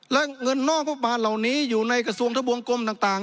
และเงินนอกงบประมาณเหล่านี้อยู่ในกระทรวงทะบวงกลมต่าง